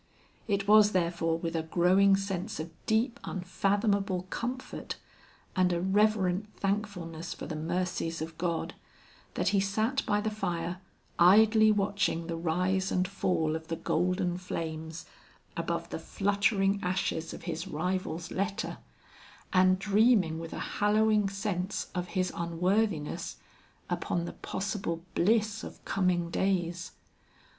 It was therefore, with a growing sense of deep unfathomable comfort, and a reverent thankfulness for the mercies of God, that he sat by the fire idly watching the rise and fall of the golden flames above the fluttering ashes of his rival's letter, and dreaming with a hallowing sense of his unworthiness, upon the possible bliss of coming days.